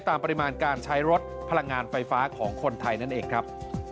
ตามปริมาณการใช้รถพลังงานไฟฟ้าของคนไทยนั่นเองครับ